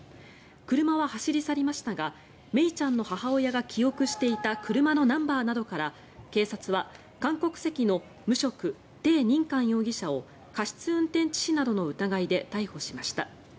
車は走り去りましたが愛李ちゃんの母親が記憶していた車のナンバーなどから警察は、韓国籍の無職テイ・ニンカン容疑者を過失運転致死などの疑いで逮捕しました。